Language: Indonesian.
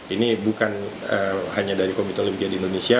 ini bukan hanya dari komite olimpia di indonesia